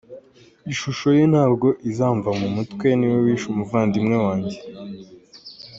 Ishusho ye ntabwo izamva mu mutwe, ni we wishe umuvandimwe wanjye.